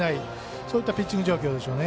そういったピッチング状況ですね。